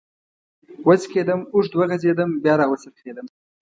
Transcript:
و څکېدم، اوږد وغځېدم، بیا را و څرخېدم.